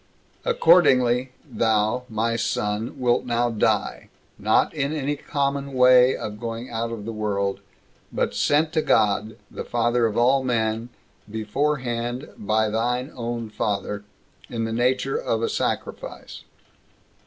Accordingly thou, my son, wilt now die, not in any common way of going out of the world, but sent to God, the Father of all men, beforehand, by thy own father, in the nature of a sacrifice.